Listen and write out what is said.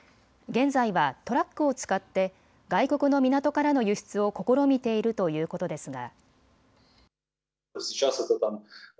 現在はトラックを使って外国の港からの輸出を試みているということですが。